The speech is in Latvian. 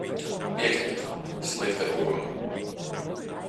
Piekrītu. Slikta doma.